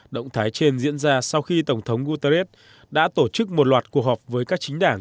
động thái trên diễn ra sau khi tổng thống guterres đã tổ chức một loạt cuộc họp với các chính đảng